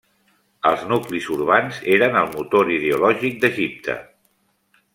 Els nuclis urbans eren el motor ideològic d'Egipte.